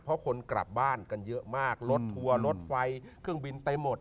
เพราะคนกลับบ้านกันเยอะมากรถทัวร์รถไฟเครื่องบินเต็มหมด